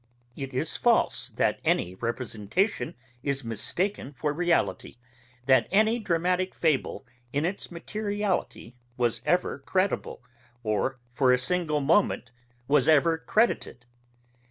It is false, that any representation is mistake for reality; that any dramatick fable in its materiality was ever credible, or, for a single moment, was ever credited.